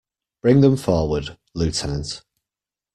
Bring them forward, lieutenant.